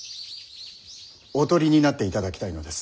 囮になっていただきたいのです。